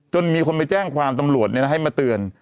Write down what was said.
มีคนไปแจ้งความตำรวจให้มาเตือน